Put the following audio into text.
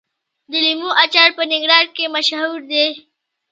د لیمو اچار په ننګرهار کې مشهور دی.